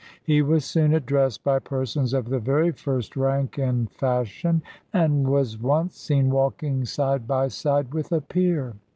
He was soon addressed by persons of the very first rank and fashion, and was once seen walking side by side with a peer.